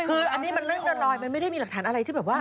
คืออันนี้มันเรื่องลอยมันไม่ได้มีหลักฐานอะไรที่แบบว่า